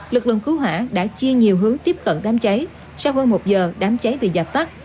lực lượng cứu hỏa đã chia nhiều hướng tiếp cận đám cháy sau hơn một giờ đám cháy bị dập tắt